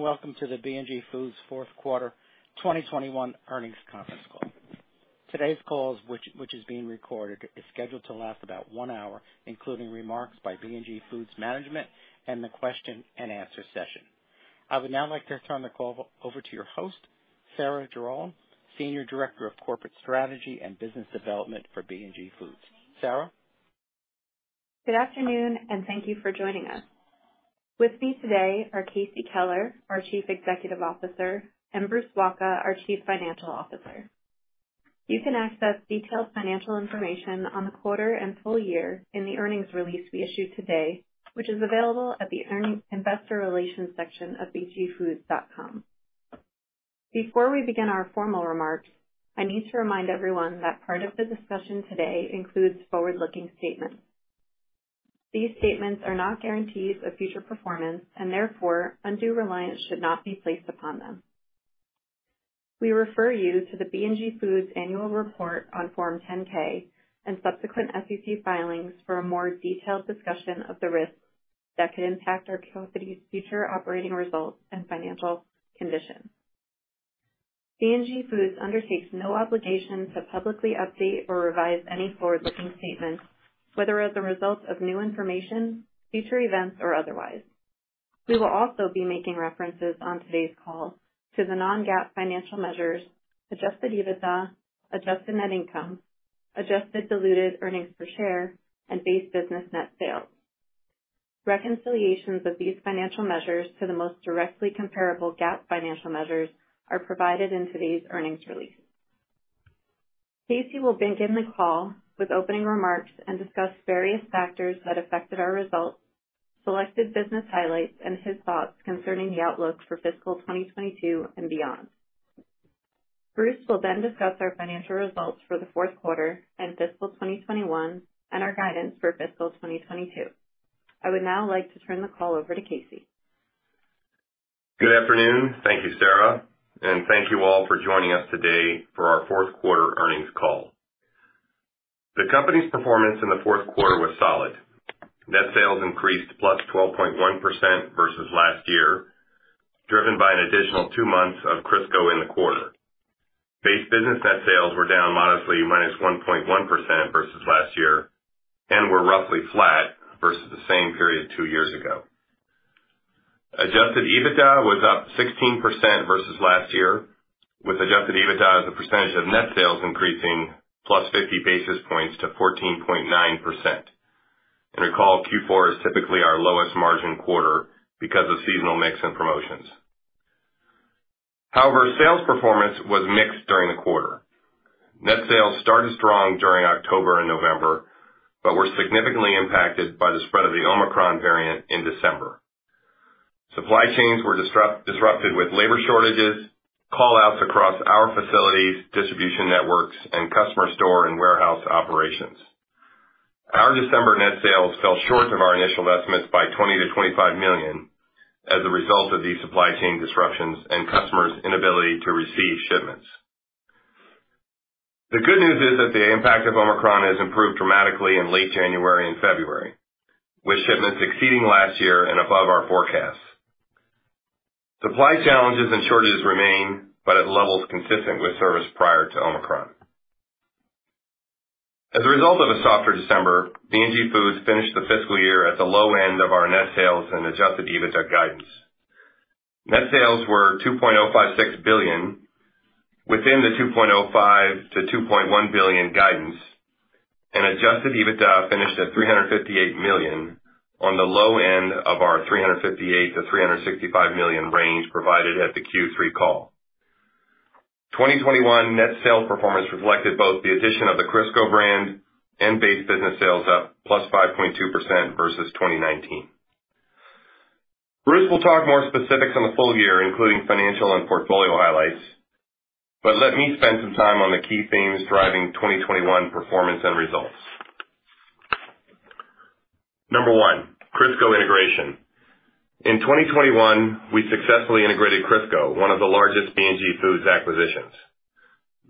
Welcome to the B&G Foods fourth quarter 2021 Earnings Conference Call. Today's call, which is being recorded, is scheduled to last about one hour, including remarks by B&G Foods management and the question and answer session. I would now like to turn the call over to your host, Sarah Jarolem, Senior Director of Corporate Strategy and Business Development for B&G Foods. Sarah. Good afternoon, and thank you for joining us. With me today are Casey Keller, our Chief Executive Officer, and Bruce Wacha, our Chief Financial Officer. You can access detailed financial information on the quarter and full year in the earnings release we issued today, which is available at the Earnings Investor Relations section of bgfoods.com. Before we begin our formal remarks, I need to remind everyone that part of the discussion today includes forward-looking statements. These statements are not guarantees of future performance and therefore undue reliance should not be placed upon them. We refer you to the B&G Foods annual report on Form 10-K and subsequent SEC filings for a more detailed discussion of the risks that could impact our company's future operating results and financial condition. B&G Foods undertakes no obligation to publicly update or revise any forward-looking statements, whether as a result of new information, future events, or otherwise. We will also be making references on today's call to the non-GAAP financial measures, Adjusted EBITDA, adjusted net income, adjusted diluted earnings per share, and base business net sales. Reconciliations of these financial measures to the most directly comparable GAAP financial measures are provided in today's earnings release. Casey will begin the call with opening remarks and discuss various factors that affected our results, selected business highlights, and his thoughts concerning the outlook for fiscal 2022 and beyond. Bruce will then discuss our financial results for the fourth quarter and fiscal 2021, and our guidance for fiscal 2022. I would now like to turn the call over to Casey. Good afternoon. Thank you, Sarah, and thank you all for joining us today for our fourth quarter earnings call. The company's performance in the fourth quarter was solid. Net sales increased +12.1% versus last year, driven by an additional two months of Crisco in the quarter. Base business net sales were down modestly -1.1% versus last year and were roughly flat versus the same period two years ago. Adjusted EBITDA was up 16% versus last year, with Adjusted EBITDA as a percentage of net sales increasing +50 basis points to 14.9%. Recall, Q4 is typically our lowest margin quarter because of seasonal mix and promotions. However, sales performance was mixed during the quarter. Net sales started strong during October and November, but were significantly impacted by the spread of the Omicron variant in December. Supply chains were disrupted with labor shortages, call-outs across our facilities, distribution networks, and customer store and warehouse operations. Our December net sales fell short of our initial estimates by $20 million-$25 million as a result of these supply chain disruptions and customers' inability to receive shipments. The good news is that the impact of Omicron has improved dramatically in late January and February, with shipments exceeding last year and above our forecasts. Supply challenges and shortages remain, but at levels consistent with service prior to Omicron. As a result of a softer December, B&G Foods finished the fiscal year at the low end of our net sales and Adjusted EBITDA guidance. Net sales were $2.056 billion, within the $2.05 billion-$2.1 billion guidance, and Adjusted EBITDA finished at $358 million on the low end of our $358 million-$365 million range provided at the Q3 call. 2021 net sales performance reflected both the addition of the Crisco brand and base business sales up +5.2% versus 2019. Bruce will talk more specifics on the full year, including financial and portfolio highlights, but let me spend some time on the key themes driving 2021 performance and results. Number one, Crisco integration. In 2021, we successfully integrated Crisco, one of the largest B&G Foods acquisitions.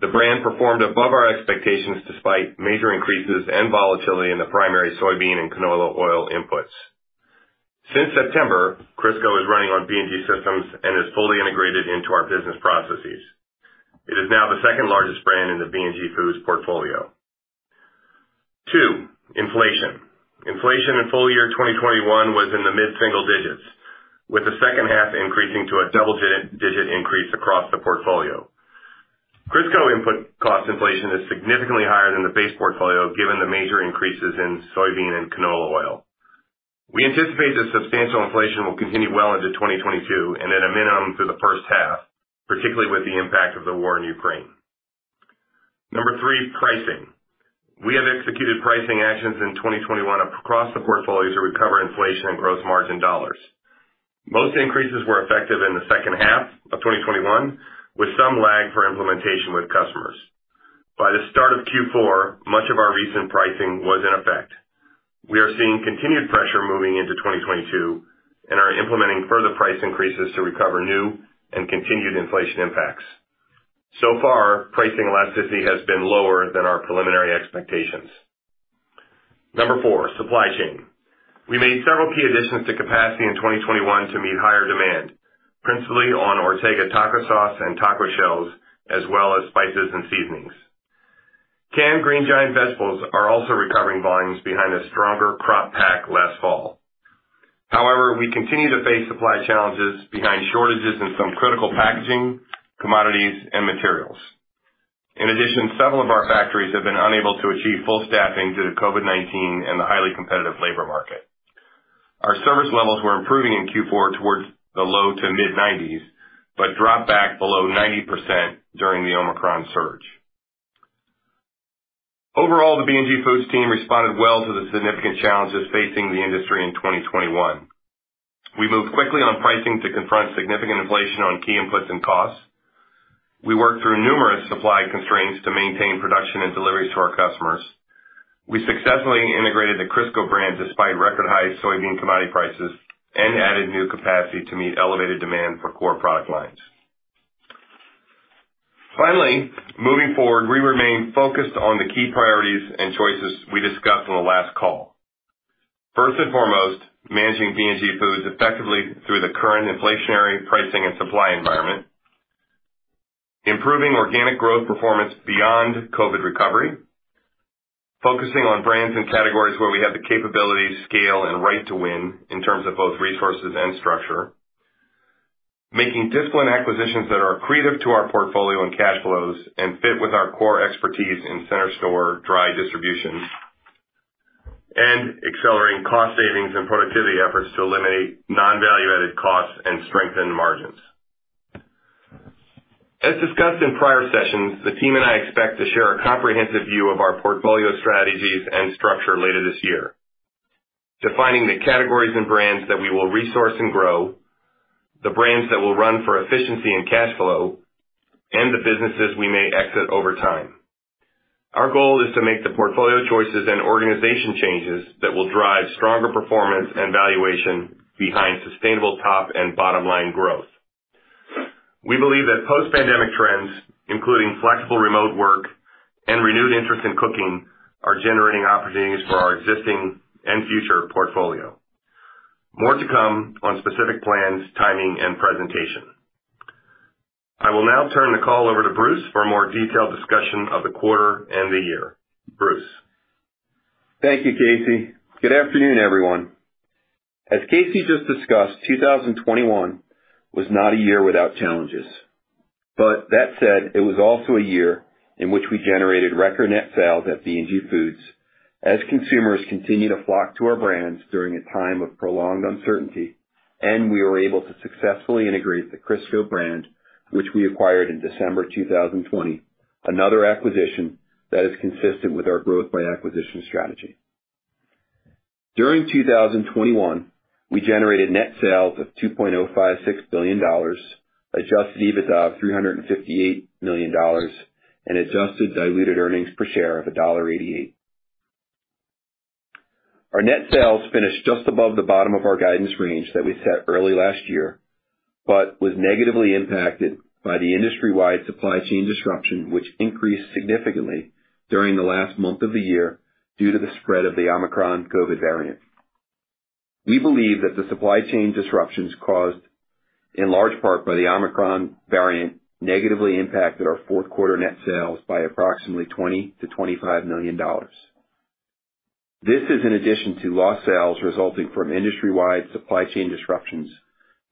The brand performed above our expectations despite major increases and volatility in the primary soybean and canola oil inputs. Since September, Crisco is running on B&G systems and is fully integrated into our business processes. It is now the second largest brand in the B&G Foods portfolio. Two, inflation. Inflation in full year 2021 was in the mid-single digits, with the second half increasing to a double-digit increase across the portfolio. Crisco input cost inflation is significantly higher than the base portfolio, given the major increases in soybean and canola oil. We anticipate that substantial inflation will continue well into 2022 and at a minimum through the first half, particularly with the impact of the war in Ukraine. Number three, pricing. We have executed pricing actions in 2021 across the portfolio to recover inflation and gross margin dollars. Most increases were effective in the second half of 2021, with some lag for implementation with customers. By the start of Q4, much of our recent pricing was in effect. We are seeing continued pressure moving into 2022 and are implementing further price increases to recover new and continued inflation impacts. So far, pricing elasticity has been lower than our preliminary expectations. Number four, supply chain. We made several key additions to capacity in 2021 to meet higher demand, principally on Ortega taco sauce and taco shells, as well as spices and seasonings. Canned Green Giant vegetables are also recovering volumes behind a stronger crop pack last fall. However, we continue to face supply challenges behind shortages in some critical packaging, commodities, and materials. In addition, several of our factories have been unable to achieve full staffing due to COVID-19 and the highly competitive labor market. Our service levels were improving in Q4 towards the low to mid-90s%, but dropped back below 90% during the Omicron surge. Overall, the B&G Foods team responded well to the significant challenges facing the industry in 2021. We moved quickly on pricing to confront significant inflation on key inputs and costs. We worked through numerous supply constraints to maintain production and deliveries to our customers. We successfully integrated the Crisco brand despite record high soybean commodity prices and added new capacity to meet elevated demand for core product lines. Finally, moving forward, we remain focused on the key priorities and choices we discussed on the last call. First and foremost, managing B&G Foods effectively through the current inflationary pricing and supply environment, improving organic growth performance beyond COVID recovery, focusing on brands and categories where we have the capability, scale, and right to win in terms of both resources and structure, making disciplined acquisitions that are accretive to our portfolio and cash flows and fit with our core expertise in center store dry distributions, and accelerating cost savings and productivity efforts to eliminate non-value added costs and strengthen margins. As discussed in prior sessions, the team and I expect to share a comprehensive view of our portfolio strategies and structure later this year, defining the categories and brands that we will resource and grow, the brands that will run for efficiency and cash flow, and the businesses we may exit over time. Our goal is to make the portfolio choices and organization changes that will drive stronger performance and valuation behind sustainable top and bottom line growth. We believe that post-pandemic trends, including flexible remote work and renewed interest in cooking, are generating opportunities for our existing and future portfolio. More to come on specific plans, timing, and presentation. I will now turn the call over to Bruce for a more detailed discussion of the quarter and the year. Bruce. Thank you, Casey. Good afternoon, everyone. As Casey just discussed, 2021 was not a year without challenges. That said, it was also a year in which we generated record net sales at B&G Foods as consumers continued to flock to our brands during a time of prolonged uncertainty, and we were able to successfully integrate the Crisco brand, which we acquired in December 2020, another acquisition that is consistent with our growth by acquisition strategy. During 2021, we generated net sales of $2.056 billion, Adjusted EBITDA of $358 million, and adjusted diluted earnings per share of $1.88. Our net sales finished just above the bottom of our guidance range that we set early last year, but was negatively impacted by the industry-wide supply chain disruption, which increased significantly during the last month of the year due to the spread of the Omicron COVID-19 variant. We believe that the supply chain disruptions caused in large part by the Omicron variant negatively impacted our fourth quarter net sales by approximately $20 million-$25 million. This is in addition to lost sales resulting from industry-wide supply chain disruptions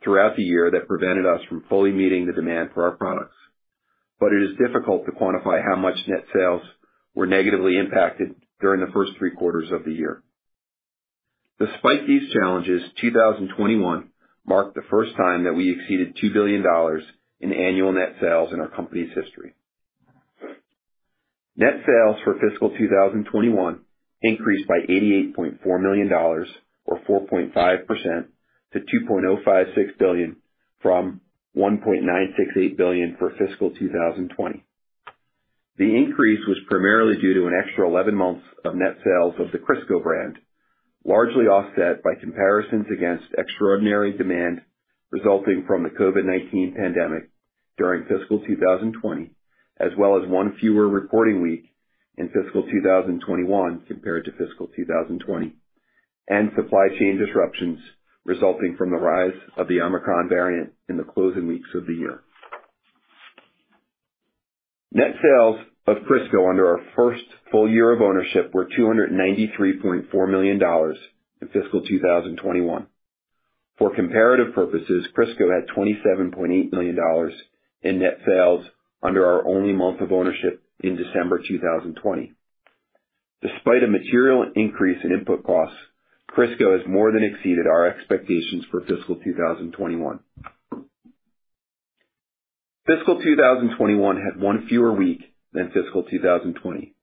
throughout the year that prevented us from fully meeting the demand for our products. It is difficult to quantify how much net sales were negatively impacted during the first three quarters of the year. Despite these challenges, 2021 marked the first time that we exceeded $2 billion in annual net sales in our company's history. Net sales for fiscal 2021 increased by $88.4 million, or 4.5% to $2.056 billion, from $1.968 billion for fiscal 2020. The increase was primarily due to an extra 11 months of net sales of the Crisco brand, largely offset by comparisons against extraordinary demand resulting from the COVID-19 pandemic during fiscal 2020, as well as one fewer reporting week in fiscal 2021 compared to fiscal 2020, and supply chain disruptions resulting from the rise of the Omicron variant in the closing weeks of the year. Net sales of Crisco under our first full year of ownership were $293.4 million in fiscal 2021. For comparative purposes, Crisco had $27.8 million in net sales under our only month of ownership in December 2020. Despite a material increase in input costs, Crisco has more than exceeded our expectations for fiscal 2021. Fiscal 2021 had one fewer week than fiscal 2020.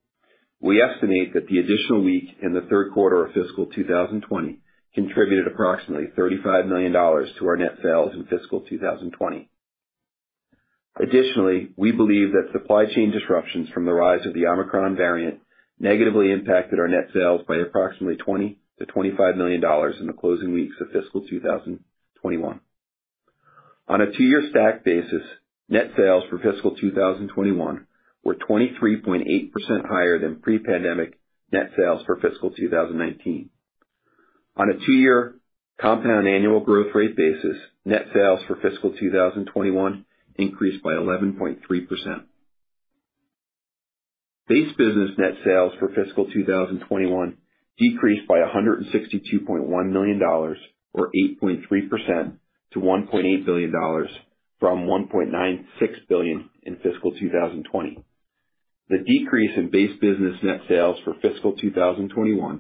We estimate that the additional week in the third quarter of fiscal 2020 contributed approximately $35 million to our net sales in fiscal 2020. Additionally, we believe that supply chain disruptions from the rise of the Omicron variant negatively impacted our net sales by approximately $20 million-$25 million in the closing weeks of fiscal 2021. On a two-year stack basis, net sales for fiscal 2021 were 23.8% higher than pre-pandemic net sales for fiscal 2019. On a two-year compound annual growth rate basis, net sales for fiscal 2021 increased by 11.3%. Base business net sales for fiscal 2021 decreased by $162.1 million, or 8.3% to $1.8 billion from $1.96 billion in fiscal 2020. The decrease in base business net sales for fiscal 2021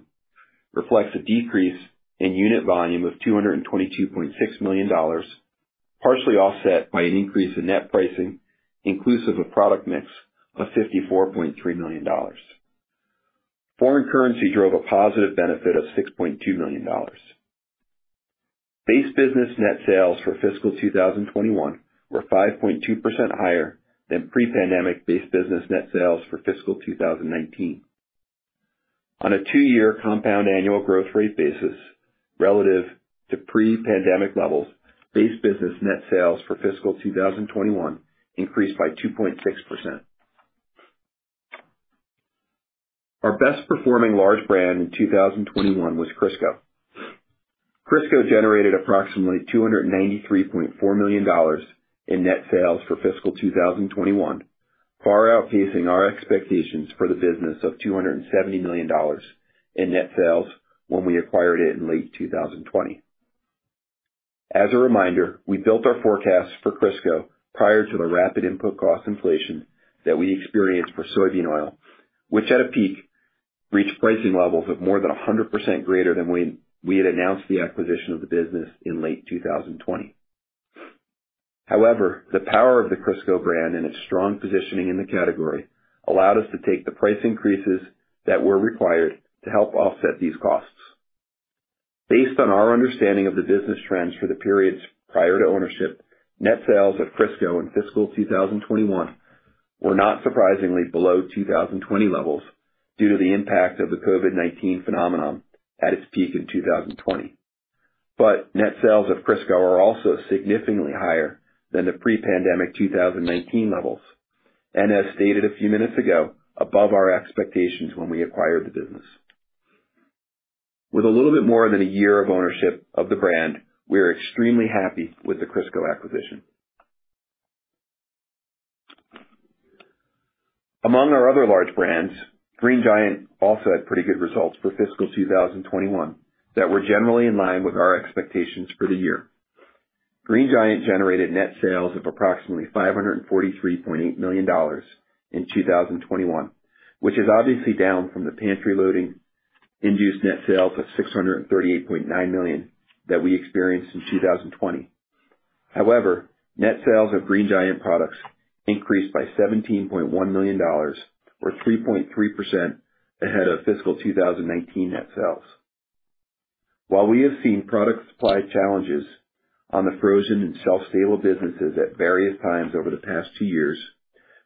reflects a decrease in unit volume of $222.6 million, partially offset by an increase in net pricing inclusive of product mix of $54.3 million. Foreign currency drove a positive benefit of $6.2 million. Base business net sales for fiscal 2021 were 5.2% higher than pre-pandemic base business net sales for fiscal 2019. On a two-year compound annual growth rate basis relative to pre-pandemic levels, base business net sales for fiscal 2021 increased by 2.6%. Our best performing large brand in 2021 was Crisco. Crisco generated approximately $293.4 million in net sales for fiscal 2021, far outpacing our expectations for the business of $270 million in net sales when we acquired it in late 2020. As a reminder, we built our forecasts for Crisco prior to the rapid input cost inflation that we experienced for soybean oil, which at a peak, reached pricing levels of more than 100% greater than when we had announced the acquisition of the business in late 2020. However, the power of the Crisco brand and its strong positioning in the category allowed us to take the price increases that were required to help offset these costs. Based on our understanding of the business trends for the periods prior to ownership, net sales at Crisco in fiscal 2021 were not surprisingly below 2020 levels due to the impact of the COVID-19 phenomenon at its peak in 2020. Net sales of Crisco are also significantly higher than the pre-pandemic 2019 levels, and as stated a few minutes ago, above our expectations when we acquired the business. With a little bit more than a year of ownership of the brand, we are extremely happy with the Crisco acquisition. Among our other large brands, Green Giant also had pretty good results for fiscal 2021 that were generally in line with our expectations for the year. Green Giant generated net sales of approximately $543.8 million in 2021, which is obviously down from the pantry loading induced net sales of $638.9 million that we experienced in 2020. However, net sales of Green Giant products increased by $17.1 million, or 3.3% ahead of fiscal 2019 net sales. While we have seen product supply challenges on the frozen and shelf-stable businesses at various times over the past two years,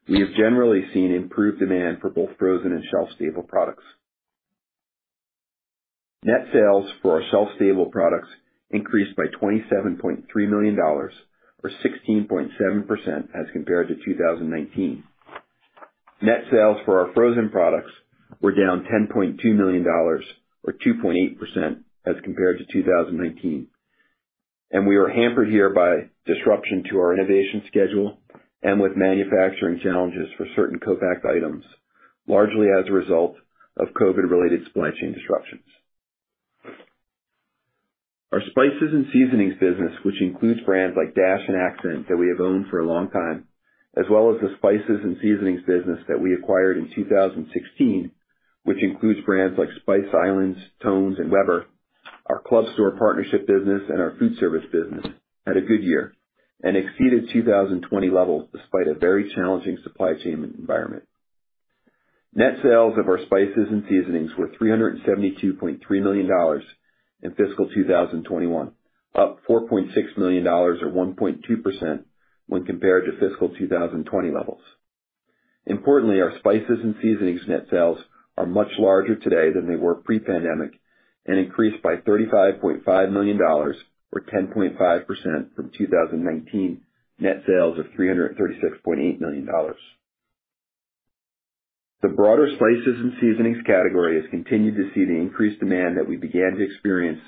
we have generally seen improved demand for both frozen and shelf-stable products. Net sales for our shelf-stable products increased by $27.3 million, or 16.7% as compared to 2019. Net sales for our frozen products were down $10.2 million, or 2.8% as compared to 2019. We are hampered here by disruption to our innovation schedule and with manufacturing challenges for certain co-pack items, largely as a result of COVID-19-related supply chain disruptions. Our spices and seasonings business, which includes brands like Dash and Ac'cent that we have owned for a long time, as well as the spices and seasonings business that we acquired in 2016, which includes brands like Spice Islands, Tone's and Weber, our club store partnership business and our food service business, had a good year and exceeded 2020 levels despite a very challenging supply chain environment. Net sales of our spices and seasonings were $372.3 million in fiscal 2021, up $4.6 million or 1.2% when compared to fiscal 2020 levels. Importantly, our spices and seasonings net sales are much larger today than they were pre-pandemic and increased by $35.5 million or 10.5% from 2019 net sales of $336.8 million. The broader spices and seasonings category has continued to see the increased demand that we began to experience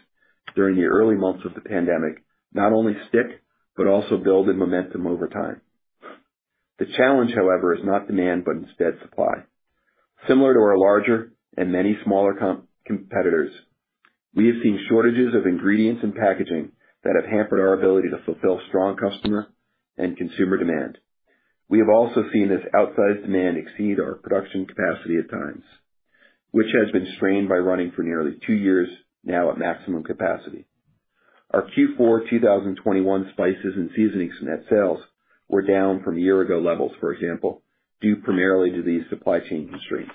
during the early months of the pandemic, not only stick, but also build in momentum over time. The challenge, however, is not demand, but instead supply. Similar to our larger and many smaller competitors, we have seen shortages of ingredients and packaging that have hampered our ability to fulfill strong customer and consumer demand. We have also seen this outsized demand exceed our production capacity at times, which has been strained by running for nearly two years now at maximum capacity. Our Q4 2021 spices and seasonings net sales were down from year-ago levels, for example, due primarily to these supply chain constraints.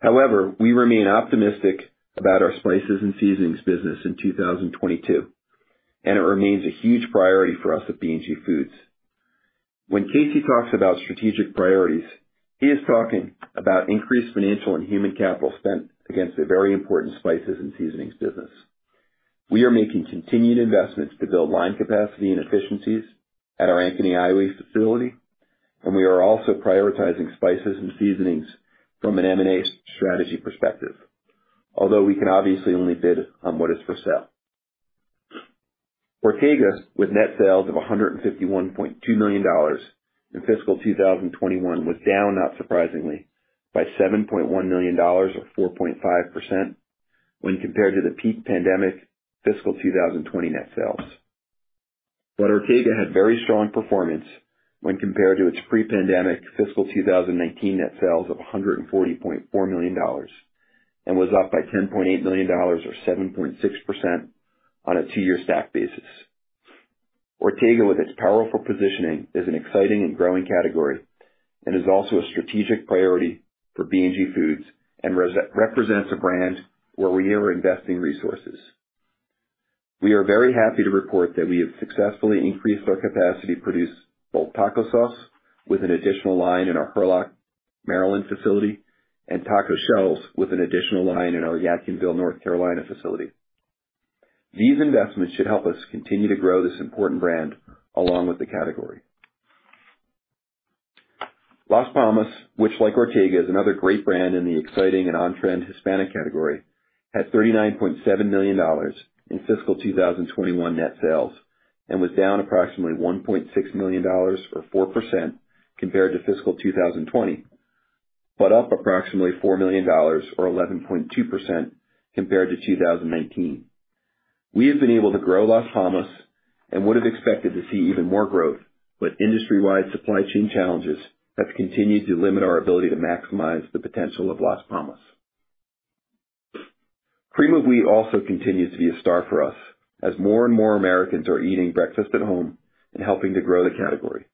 However, we remain optimistic about our spices and seasonings business in 2022, and it remains a huge priority for us at B&G Foods. When Casey talks about strategic priorities, he is talking about increased financial and human capital spent against a very important spices and seasonings business. We are making continued investments to build line capacity and efficiencies at our Ankeny, Iowa facility, and we are also prioritizing spices and seasonings from an M&A strategy perspective although we can obviously only bid on what is for sale. Ortega, with net sales of $151.2 million in fiscal 2021, was down, not surprisingly, by $7.1 million or 4.5% when compared to the peak pandemic fiscal 2020 net sales. Ortega had very strong performance when compared to its pre-pandemic fiscal 2019 net sales of $140.4 million and was up by $10.8 million or 7.6% on a two-year stack basis. Ortega, with its powerful positioning, is an exciting and growing category and is also a strategic priority for B&G Foods and represents a brand where we are investing resources. We are very happy to report that we have successfully increased our capacity to produce both taco sauce with an additional line in our Hurlock, Maryland facility and taco shells with an additional line in our Yadkinville, North Carolina facility. These investments should help us continue to grow this important brand along with the category. Las Palmas, which like Ortega, is another great brand in the exciting and on-trend Hispanic category, had $39.7 million in fiscal 2021 net sales and was down approximately $1.6 million or 4% compared to fiscal 2020, but up approximately $4 million or 11.2% compared to 2019. We have been able to grow Las Palmas and would have expected to see even more growth, but industry-wide supply chain challenges have continued to limit our ability to maximize the potential of Las Palmas. Cream of Wheat also continues to be a star for us as more and more Americans are eating breakfast at home and helping to grow the category.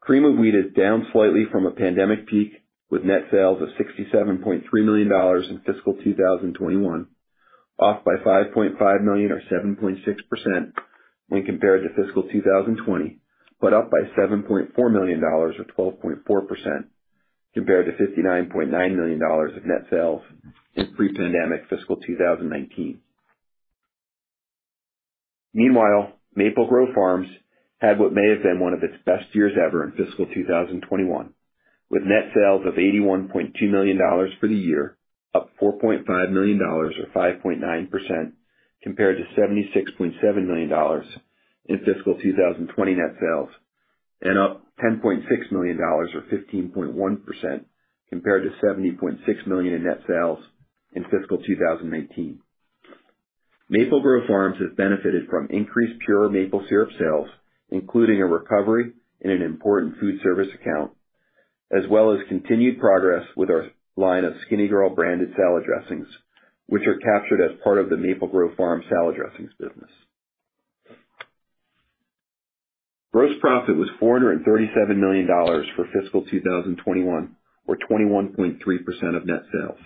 Cream of Wheat is down slightly from a pandemic peak with net sales of $67.3 million in fiscal 2021, off by $5.5 million or 7.6% when compared to fiscal 2020, but up by $7.4 million or 12.4% compared to $59.9 million of net sales in pre-pandemic fiscal 2019. Meanwhile, Maple Grove Farms had what may have been one of its best years ever in fiscal 2021, with net sales of $81.2 million for the year, up $4.5 million or 5.9% compared to $76.7 million in fiscal 2020 net sales and up $10.6 million or 15.1% compared to $70.6 million in net sales in fiscal 2019. Maple Grove Farms has benefited from increased pure maple syrup sales, including a recovery in an important food service account, as well as continued progress with our line of Skinnygirl branded salad dressings, which are captured as part of the Maple Grove Farms salad dressings business. Gross profit was $437 million for fiscal 2021 or 21.3% of net sales,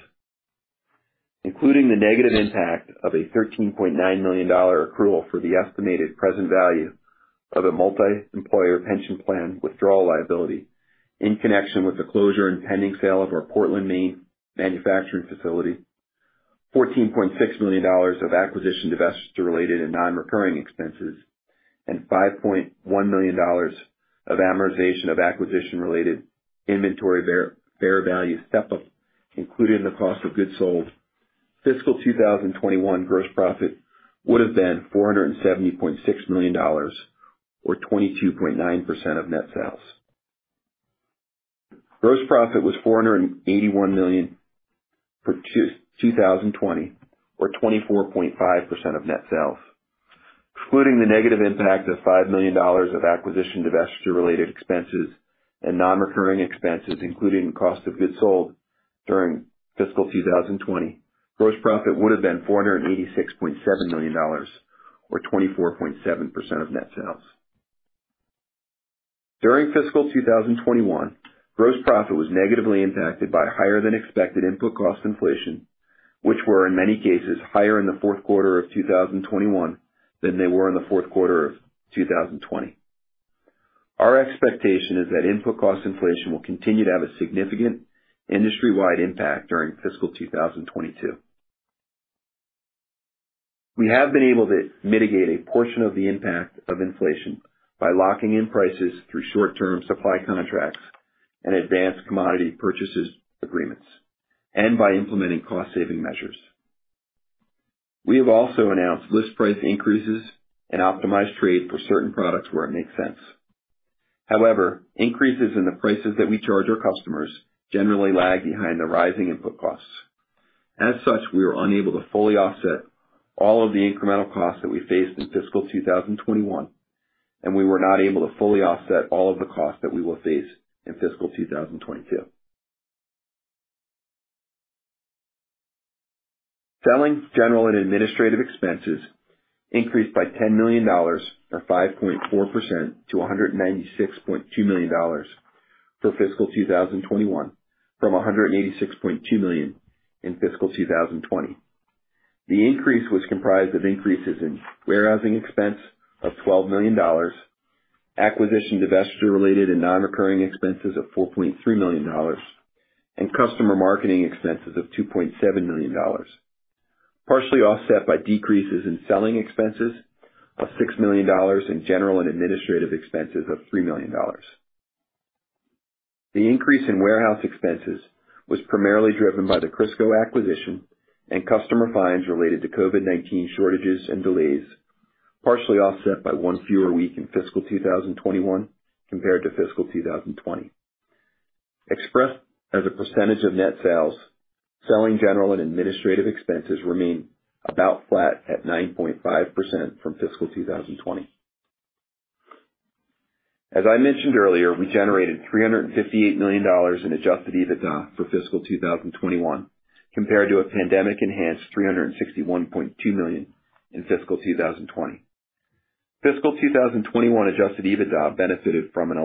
including the negative impact of a $13.9 million accrual for the estimated present value of a multiemployer pension plan withdrawal liability in connection with the closure and pending sale of our Portland, Maine manufacturing facility, $14.6 million of acquisition- and divestiture-related and non-recurring expenses, and $5.1 million of amortization of acquisition-related inventory fair value step-up included in the cost of goods sold. Fiscal 2021 gross profit would have been $470.6 million or 22.9% of net sales. Gross profit was $481 million for 2020 or 24.5% of net sales. Excluding the negative impact of $5 million of acquisition, divestiture-related expenses and non-recurring expenses included in cost of goods sold during fiscal 2020, gross profit would have been $486.7 million or 24.7% of net sales. During fiscal 2021, gross profit was negatively impacted by higher than expected input cost inflation, which were in many cases higher in the fourth quarter of 2021 than they were in the fourth quarter of 2020. Our expectation is that input cost inflation will continue to have a significant industry-wide impact during fiscal 2022. We have been able to mitigate a portion of the impact of inflation by locking in prices through short-term supply contracts and advanced commodity purchases agreements and by implementing cost saving measures. We have also announced list price increases and optimized trade for certain products where it makes sense. However, increases in the prices that we charge our customers generally lag behind the rising input costs. As such, we were unable to fully offset all of the incremental costs that we faced in fiscal 2021, and we were not able to fully offset all of the costs that we will face in fiscal 2022. Selling, general and administrative expenses increased by $10 million or 5.4% to $196.2 million for fiscal 2021 from $186.2 million in fiscal 2020. The increase was comprised of increases in warehousing expense of $12 million, acquisition, divestiture related and non-recurring expenses of $4.3 million, and customer marketing expenses of $2.7 million, partially offset by decreases in selling expenses of $6 million and general and administrative expenses of $3 million. The increase in warehouse expenses was primarily driven by the Crisco acquisition and customer fines related to COVID-19 shortages and delays, partially offset by one fewer week in fiscal 2021 compared to fiscal 2020. Expressed as a percentage of net sales, selling, general, and administrative expenses remain about flat at 9.5% from fiscal 2020. As I mentioned earlier, we generated $358 million in Adjusted EBITDA for fiscal 2021 compared to a pandemic-enhanced $361.2 million in fiscal 2020. Fiscal 2021 Adjusted EBITDA benefited from an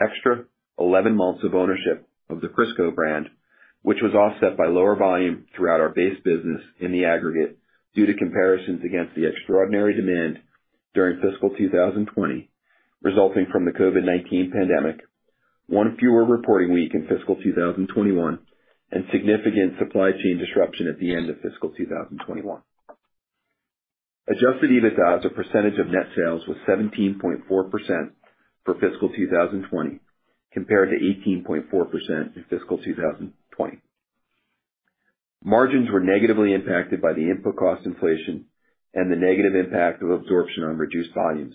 extra 11 months of ownership of the Crisco brand, which was offset by lower volume throughout our base business in the aggregate due to comparisons against the extraordinary demand during fiscal 2020 resulting from the COVID-19 pandemic, one fewer reporting week in fiscal 2021, and significant supply chain disruption at the end of fiscal 2021. Adjusted EBITDA as a percentage of net sales was 17.4% for fiscal 2020 compared to 18.4% in fiscal 2020. Margins were negatively impacted by the input cost inflation and the negative impact of absorption on reduced volumes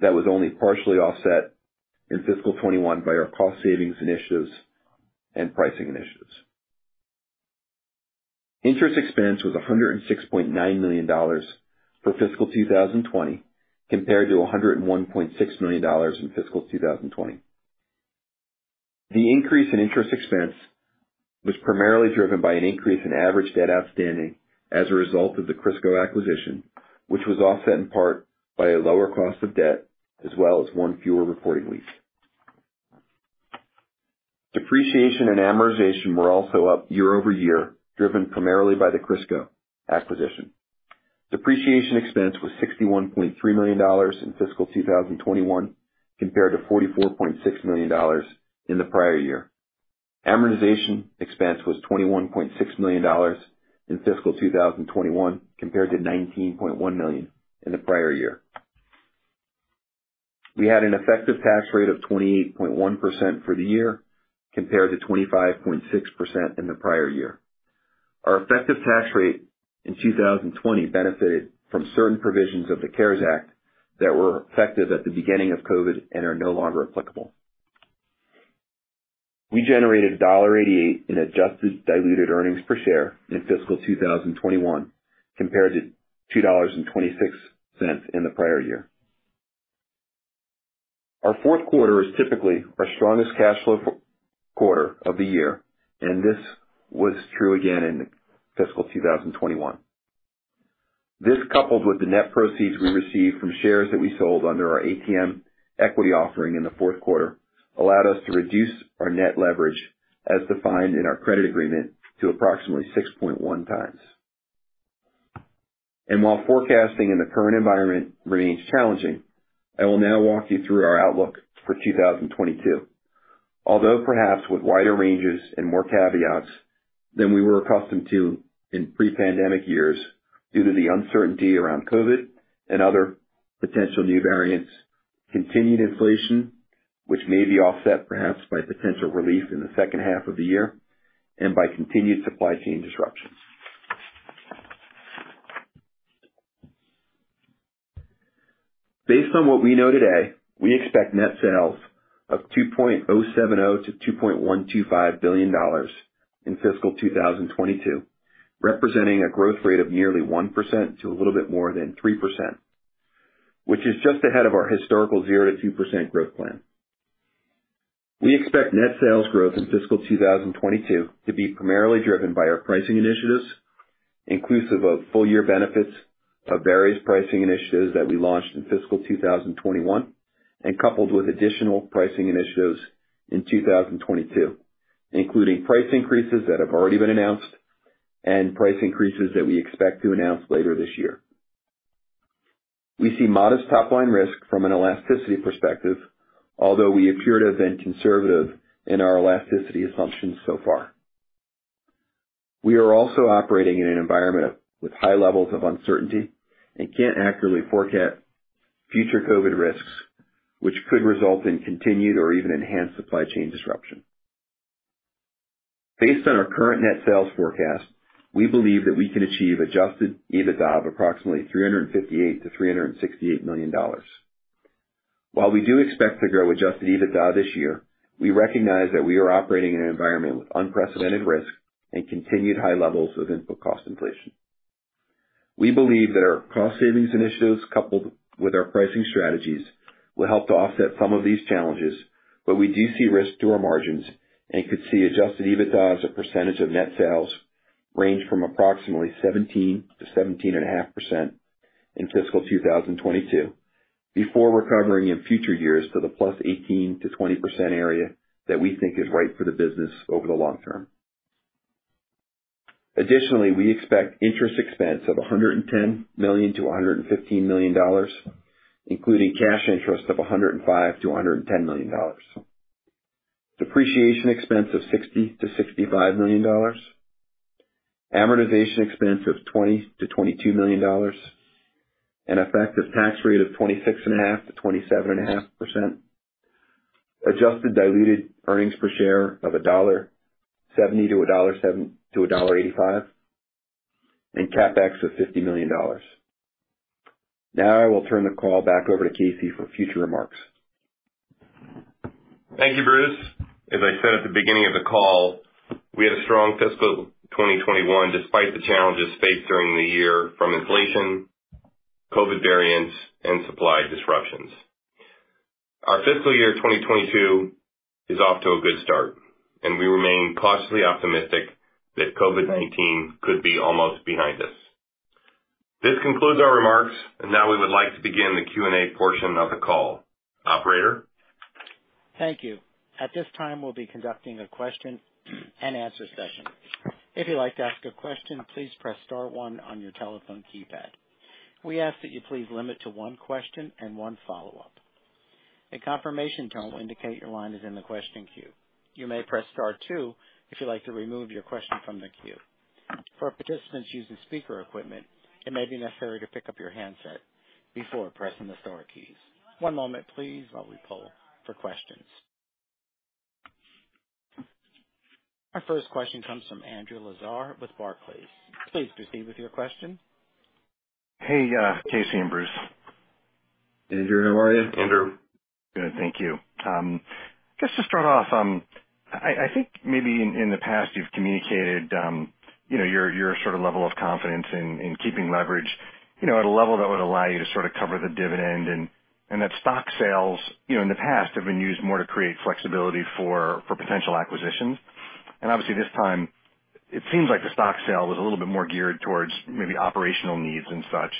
that was only partially offset in fiscal 2021 by our cost savings initiatives and pricing initiatives. Interest expense was $106.9 million for fiscal 2020 compared to $101.6 million in fiscal 2020. The increase in interest expense was primarily driven by an increase in average debt outstanding as a result of the Crisco acquisition, which was offset in part by a lower cost of debt as well as one fewer reporting week. Depreciation and amortization were also up year-over-year, driven primarily by the Crisco acquisition. Depreciation expense was $61.3 million in fiscal 2021 compared to $44.6 million in the prior year. Amortization expense was $21.6 million in fiscal 2021 compared to $19.1 million in the prior year. We had an effective tax rate of 28.1% for the year compared to 25.6% in the prior year. Our effective tax rate in 2020 benefited from certain provisions of the CARES Act that were effective at the beginning of COVID and are no longer applicable. We generated $1.88 in adjusted diluted earnings per share in fiscal 2021 compared to $2.26 in the prior year. Our fourth quarter is typically our strongest cash flow quarter of the year, and this was true again in fiscal 2021. This, coupled with the net proceeds we received from shares that we sold under our ATM equity offering in the fourth quarter, allowed us to reduce our net leverage as defined in our credit agreement to approximately 6.1x. While forecasting in the current environment remains challenging, I will now walk you through our outlook for 2022, although perhaps with wider ranges and more caveats than we were accustomed to in pre-pandemic years due to the uncertainty around COVID and other potential new variants, continued inflation which may be offset perhaps by potential relief in the second half of the year, and by continued supply chain disruptions. Based on what we know today, we expect net sales of $2.070 billion-$2.125 billion in fiscal 2022, representing a growth rate of nearly 1% to a little bit more than 3%, which is just ahead of our historical 0%-2% growth plan. We expect net sales growth in fiscal 2022 to be primarily driven by our pricing initiatives, inclusive of full year benefits of various pricing initiatives that we launched in fiscal 2021, and coupled with additional pricing initiatives in 2022, including price increases that have already been announced and price increases that we expect to announce later this year. We see modest top line risk from an elasticity perspective, although we appear to have been conservative in our elasticity assumptions so far. We are also operating in an environment with high levels of uncertainty and can't accurately forecast future COVID risks, which could result in continued or even enhanced supply chain disruption. Based on our current net sales forecast, we believe that we can achieve Adjusted EBITDA of approximately $358 million-$368 million. While we do expect to grow Adjusted EBITDA this year, we recognize that we are operating in an environment with unprecedented risk and continued high levels of input cost inflation. We believe that our cost savings initiatives, coupled with our pricing strategies, will help to offset some of these challenges, but we do see risk to our margins and could see Adjusted EBITDA as a percentage of net sales range from approximately 17%-17.5% in fiscal 2022 before recovering in future years to the +18%-20% area that we think is right for the business over the long term. Additionally, we expect interest expense of $110 million-$115 million, including cash interest of $105 million-$110 million. Depreciation expense of $60 million-$65 million. Amortization expense of $20 million-$22 million. An effective tax rate of 26.5%-27.5%. Adjusted diluted earnings per share of $1.70-$1.85. CapEx of $50 million. Now I will turn the call back over to Casey for further remarks. Thank you, Bruce. As I said at the beginning of the call, we had a strong fiscal 2021 despite the challenges faced during the year from inflation, COVID variants, and supply disruptions. Our fiscal year 2022 is off to a good start, and we remain cautiously optimistic that COVID-19 could be almost behind us. This concludes our remarks, and now we would like to begin the Q&A portion of the call. Operator? Thank you. At this time, we'll be conducting a question and answer session. If you'd like to ask a question, please press star one on your telephone keypad. We ask that you please limit to one question and one follow-up. A confirmation tone will indicate your line is in the question queue. You may press star two if you'd like to remove your question from the queue. For participants using speaker equipment, it may be necessary to pick up your handset before pressing the star keys. One moment please while we poll for questions. Our first question comes from Andrew Lazar with Barclays. Please proceed with your question. Hey, Casey and Bruce. Andrew, how are you? Andrew. Good, thank you. Just to start off, I think maybe in the past you've communicated, you know, your sort of level of confidence in keeping leverage, you know, at a level that would allow you to sort of cover the dividend and that stock sales, you know, in the past have been used more to create flexibility for potential acquisitions. Obviously this time it seems like the stock sale was a little bit more geared towards maybe operational needs and such.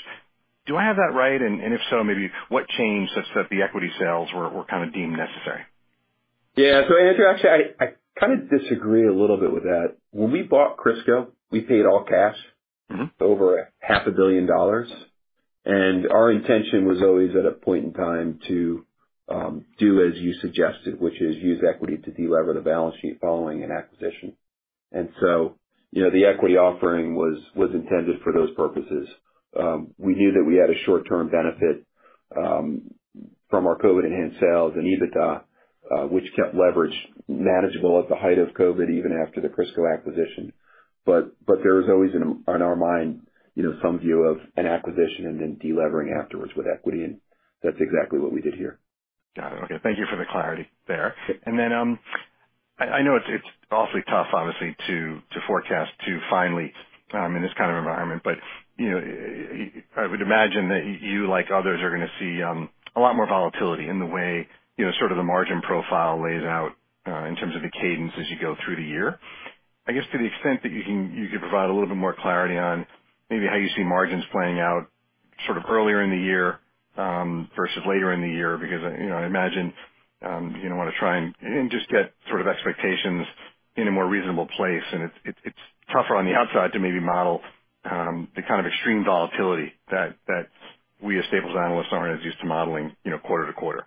Do I have that right? If so, maybe what changed such that the equity sales were kind of deemed necessary? Yeah. Andrew, actually, I kind of disagree a little bit with that. When we bought Crisco, we paid all cash. Mm-hmm. Over half a billion dollars. Our intention was always at a point in time to do as you suggested, which is use equity to delever the balance sheet following an acquisition. You know, the equity offering was intended for those purposes. We knew that we had a short-term benefit from our COVID-enhanced sales and EBITDA, which kept leverage manageable at the height of COVID even after the Crisco acquisition. There was always on our mind, you know, some view of an acquisition and then delevering afterwards with equity, and that's exactly what we did here. Got it. Okay. Thank you for the clarity there. Then I know it's awfully tough obviously to forecast too finely in this kind of environment, but you know, I would imagine that you, like others, are gonna see a lot more volatility in the way, you know, sort of the margin profile lays out in terms of the cadence as you go through the year. I guess to the extent that you can, you could provide a little bit more clarity on maybe how you see margins playing out sort of earlier in the year versus later in the year. Because, you know, I imagine, you wanna try and just get sort of expectations in a more reasonable place and it's tougher on the outside to maybe model, the kind of extreme volatility that we as Staples analysts aren't as used to modeling, you know, quarter to quarter.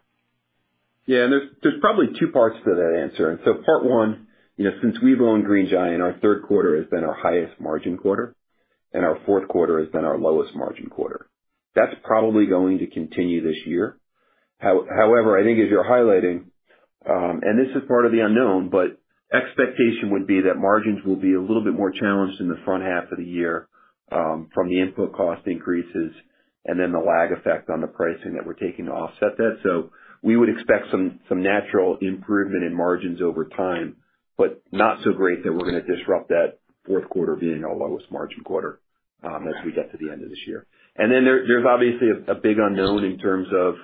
Yeah, there's probably two parts to that answer. Part one, you know, since we've owned Green Giant, our third quarter has been our highest margin quarter, and our fourth quarter has been our lowest margin quarter. That's probably going to continue this year. However, I think as you're highlighting, and this is part of the unknown, but expectation would be that margins will be a little bit more challenged in the front half of the year, from the input cost increases and then the lag effect on the pricing that we're taking to offset that. We would expect some natural improvement in margins over time, but not so great that we're gonna disrupt that fourth quarter being our lowest margin quarter, as we get to the end of this year. There, there's obviously a big unknown in terms of,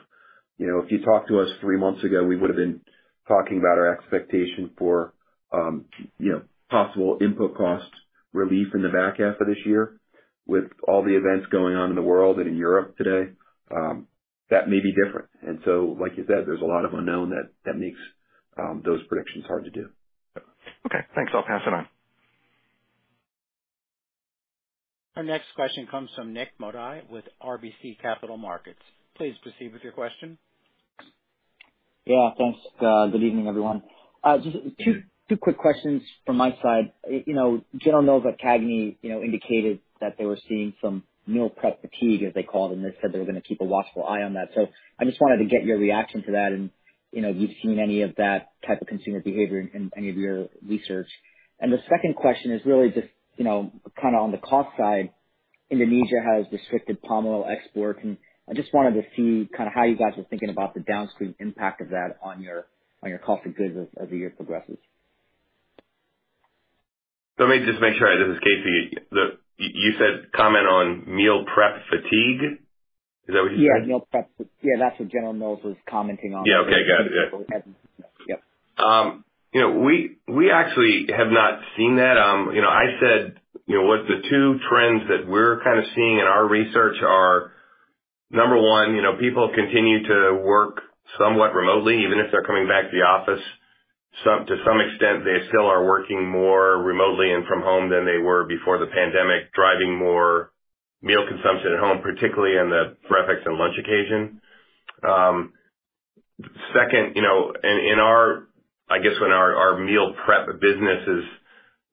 you know, if you talked to us three months ago, we would've been talking about our expectation for, you know, possible input cost relief in the back half of this year. With all the events going on in the world and in Europe today, that may be different. Like you said, there's a lot of unknown that makes those predictions hard to do. Okay, thanks. I'll pass it on. Our next question comes from Nik Modi with RBC Capital Markets. Please proceed with your question. Yeah, thanks. Good evening, everyone. Just two quick questions from my side. You know, General Mills at CAGNY, you know, indicated that they were seeing some meal prep fatigue as they called it, and they said they were gonna keep a watchful eye on that. I just wanted to get your reaction to that and, you know, if you've seen any of that type of consumer behavior in any of your research. The second question is really just, you know, kinda on the cost side. Indonesia has restricted palm oil exports, and I just wanted to see kinda how you guys are thinking about the downstream impact of that on your cost of goods as the year progresses. Let me just make sure. This is Casey. You said comment on meal prep fatigue? Is that what you said? Yeah, meal prep. Yeah, that's what General Mills was commenting on. Yeah. Okay. Got it. Yeah. You know, we actually have not seen that. You know, I said what the two trends that we're kind of seeing in our research are. Number one, you know, people continue to work somewhat remotely, even if they're coming back to the office, to some extent. They still are working more remotely and from home than they were before the pandemic, driving more meal consumption at home, particularly in the breakfast and lunch occasion. Second, you know, in our meal prep businesses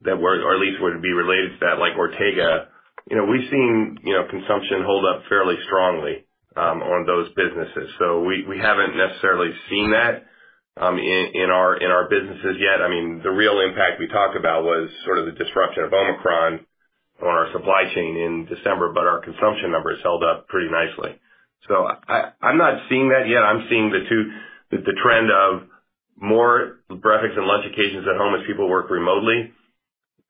that were or at least would be related to that, like Ortega, you know, we've seen consumption hold up fairly strongly on those businesses. We haven't necessarily seen that in our businesses yet. I mean, the real impact we talked about was sort of the disruption of Omicron on our supply chain in December, but our consumption numbers held up pretty nicely. I'm not seeing that yet. I'm seeing too, the trend of more breakfast and lunch occasions at home as people work remotely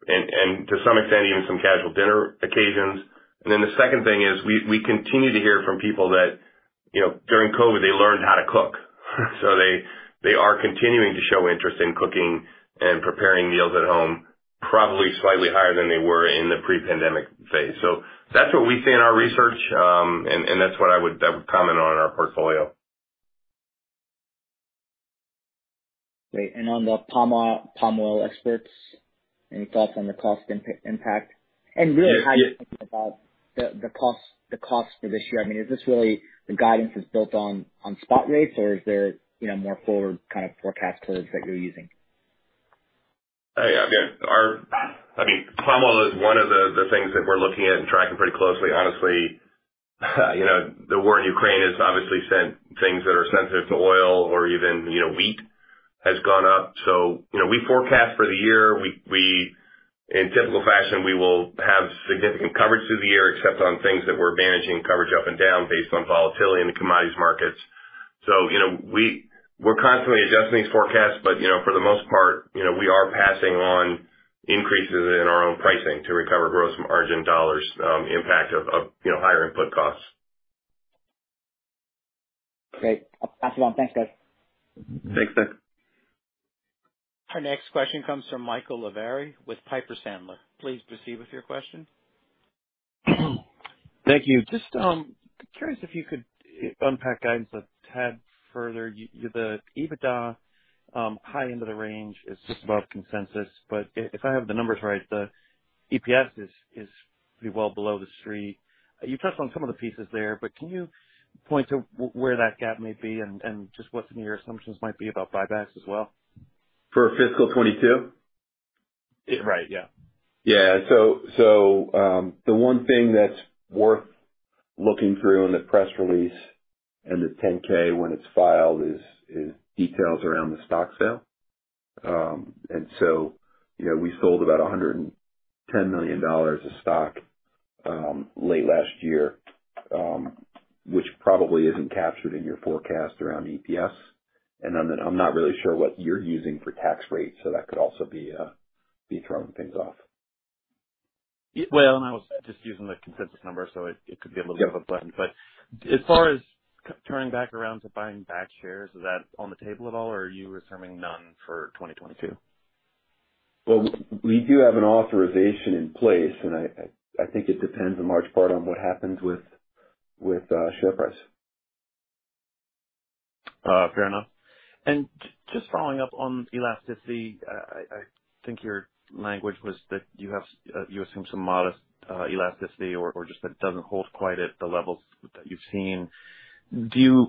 and to some extent, even some casual dinner occasions. The second thing is we continue to hear from people that, you know, during COVID, they learned how to cook. They are continuing to show interest in cooking and preparing meals at home, probably slightly higher than they were in the pre-pandemic phase. That's what we see in our research, and that's what I would comment on in our portfolio. Great. On the palm oil exports, any thoughts on the cost impact? Really how you think about the cost for this year? I mean, is this really the guidance is built on spot rates or is there, you know, more forward kind of forecast tools that you're using? Yeah. I mean, palm oil is one of the things that we're looking at and tracking pretty closely, honestly. You know, the war in Ukraine has obviously sent things that are sensitive to oil or even, you know, wheat has gone up. You know, we forecast for the year. In typical fashion, we will have significant coverage through the year, except on things that we're managing coverage up and down based on volatility in the commodities markets. You know, we're constantly adjusting these forecasts, but, you know, for the most part, you know, we are passing on increases in our own pricing to recover gross margin dollars, impact of, you know, higher input costs. Great. I'll pass it on. Thanks, guys. Thanks, Nik. Our next question comes from Michael Lavery with Piper Sandler. Please proceed with your question. Thank you. Just curious if you could unpack guidance a tad further. The EBITDA high end of the range is just above consensus. If I have the numbers right, the EPS is pretty well below the street. You touched on some of the pieces there, but can you point to where that gap may be and just what some of your assumptions might be about buybacks as well? For fiscal 2022? Right. Yeah. Yeah. The one thing that's worth looking through in the press release and the 10-K when it's filed is details around the stock sale. You know, we sold about $110 million of stock late last year, which probably isn't captured in your forecast around EPS. I'm not really sure what you're using for tax rates, so that could also be throwing things off. Well, I was just using the consensus number, so it could be a little bit of a blend. As far as turning back around to buying back shares, is that on the table at all or are you assuming none for 2022? Well, we do have an authorization in place, and I think it depends in large part on what happens with share price. Fair enough. Just following up on elasticity, I think your language was that you have, you assume some modest elasticity or just that it doesn't hold quite at the levels that you've seen. Am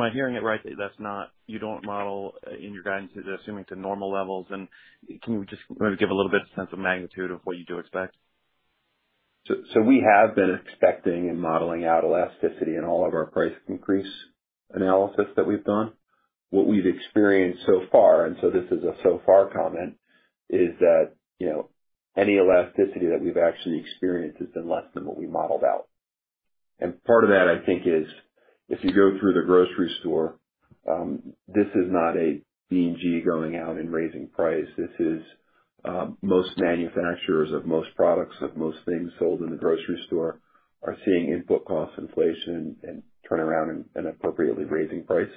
I hearing it right that that's not. You don't model in your guidance, you're assuming to normal levels. Can you just maybe give a little bit of sense of magnitude of what you do expect? We have been expecting and modeling out elasticity in all of our price increase analysis that we've done. What we've experienced so far, and so this is a so-far comment, is that, you know, any elasticity that we've actually experienced has been less than what we modeled out. Part of that, I think, is if you go through the grocery store, this is not a B&G going out and raising price. This is, most manufacturers of most products of most things sold in the grocery store are seeing input cost inflation and turn around and appropriately raising price.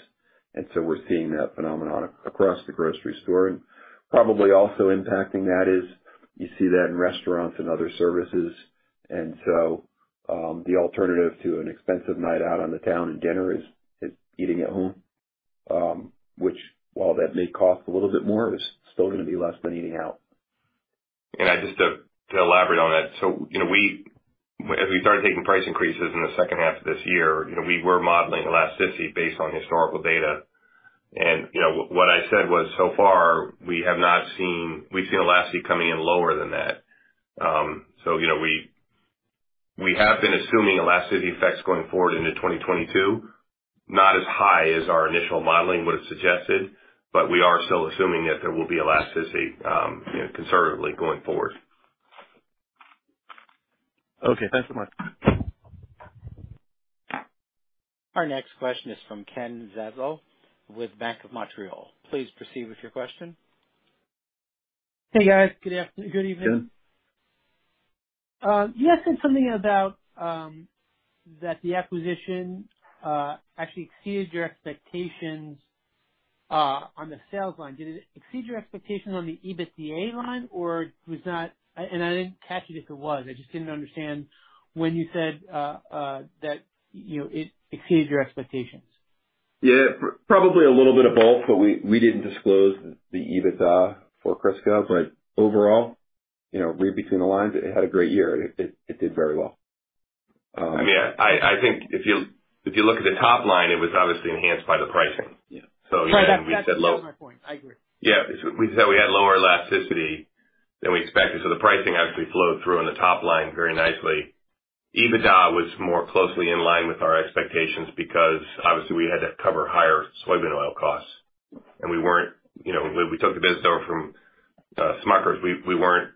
We're seeing that phenomenon across the grocery store. Probably also impacting that is you see that in restaurants and other services. The alternative to an expensive night out on the town and dinner is eating at home, which while that may cost a little bit more, is still gonna be less than eating out. Just to elaborate on that. You know, we, as we started taking price increases in the second half of this year, you know, we were modeling elasticity based on historical data. You know, what I said was, so far we have not seen. We've seen elasticity coming in lower than that. You know, we have been assuming elasticity effects going forward into 2022, not as high as our initial modeling would have suggested, but we are still assuming that there will be elasticity, you know, conservatively going forward. Okay, thanks so much. Our next question is from Ken Zaslow with Bank of Montreal. Please proceed with your question. Hey, guys. Good evening. You had said something about that the acquisition actually exceeded your expectations on the sales line. Did it exceed your expectations on the EBITDA line, or was that, and I didn't catch it if it was. I just didn't understand when you said that, you know, it exceeded your expectations. Yeah. Probably a little bit of both, but we didn't disclose the EBITDA for Crisco. Overall, you know, read between the lines, it had a great year. It did very well. I mean, I think if you look at the top line, it was obviously enhanced by the pricing. Yeah. I mean, we said low- Right. That's kinda my point. I agree. Yeah. We said we had lower elasticity than we expected, so the pricing actually flowed through on the top line very nicely. EBITDA was more closely in line with our expectations because obviously we had to cover higher soybean oil costs. We weren't, you know, we took the business over from Smucker's. We weren't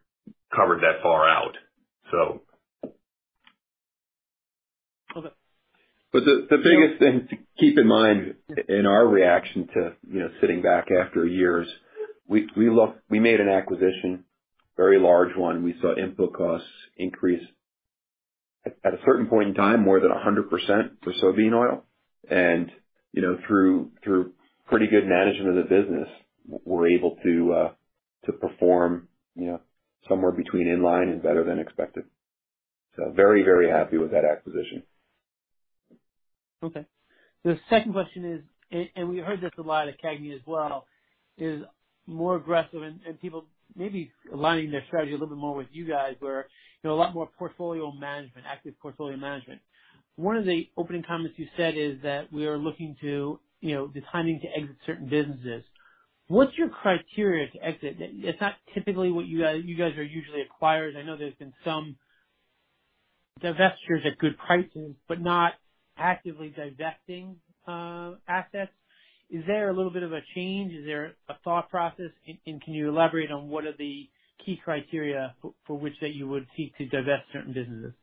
covered that far out. Okay. The biggest thing to keep in mind in our reaction to, you know, sitting back after years, we made an acquisition, very large one. We saw input costs increase at a certain point in time, more than 100% for soybean oil. You know, through pretty good management of the business, we're able to perform, you know, somewhere between in line and better than expected. Very, very happy with that acquisition. Okay. The second question is, and we heard this a lot at CAGNY as well, is more aggressive and people maybe aligning their strategy a little bit more with you guys where, you know, a lot more portfolio management, active portfolio management. One of the opening comments you said is that we are looking to, you know, the timing to exit certain businesses. What's your criteria to exit? It's not typically what you guys—you guys are usually acquirers. I know there's been some divestitures at good prices, but not actively divesting assets. Is there a little bit of a change? Is there a thought process, and can you elaborate on what are the key criteria for which that you would seek to divest certain businesses?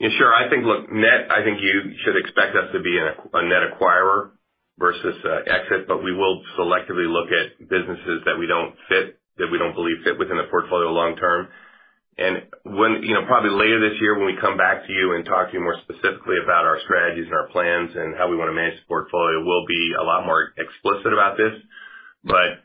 Yeah, sure. I think, look, net, I think you should expect us to be a net acquirer versus exit, but we will selectively look at businesses that we don't fit, that we don't believe fit within the portfolio long term. When, you know, probably later this year, when we come back to you and talk to you more specifically about our strategies and our plans and how we wanna manage the portfolio, we'll be a lot more explicit about this. But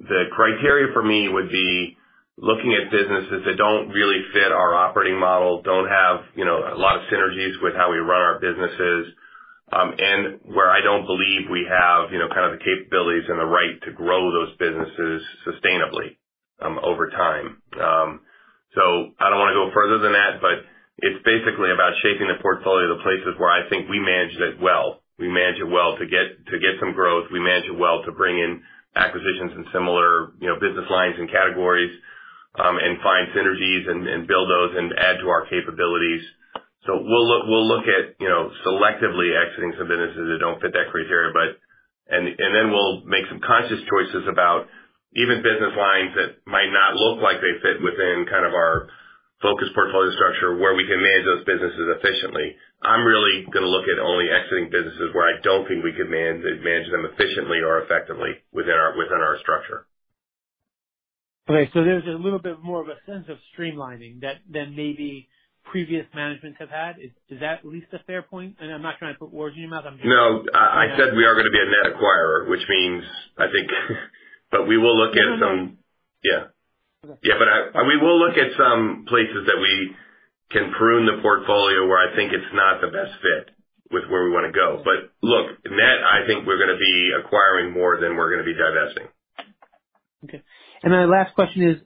the criteria for me would be looking at businesses that don't really fit our operating model, don't have, you know, a lot of synergies with how we run our businesses, and where I don't believe we have, you know, kind of the capabilities and the right to grow those businesses sustainably, over time. I don't wanna go further than that, but it's basically about shaping the portfolio to places where I think we manage it well. We manage it well to get some growth. We manage it well to bring in acquisitions in similar, you know, business lines and categories, and find synergies and build those and add to our capabilities. We'll look at, you know, selectively exiting some businesses that don't fit that criteria. Then we'll make some conscious choices about even business lines that might not look like they fit within kind of our focus portfolio structure, where we can manage those businesses efficiently. I'm really gonna look at only exiting businesses where I don't think we can manage them efficiently or effectively within our structure. Okay. There's a little bit more of a sense of streamlining that than maybe previous managements have had. Is that at least a fair point? I'm not trying to put words in your mouth. I'm just- No. I said we are gonna be a net acquirer, which means, I think. We will look at some- Mm-hmm. Yeah. Okay. Yeah, we will look at some places that we can prune the portfolio where I think it's not the best fit with where we wanna go. Look, net, I think we're gonna be acquiring more than we're gonna be divesting. Okay. The last question is,